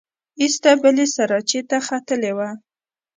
ایسته بلې سراچې ته ختلې وه.